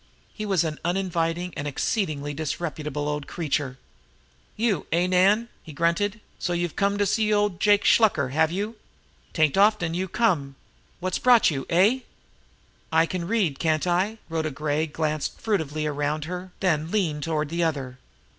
He was an uninviting and exceedingly disreputable old creature. "You, eh, Nan!" he grunted. "So you've come to see old Jake Shluker, have you? 'Tain't often you come! And what's brought you, eh?" "I can read, can't I?" Rhoda Gray glanced furtively around her, then leaned toward the other.